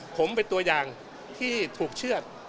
ผมเป็นตัวอย่างที่ถูกเชื่อด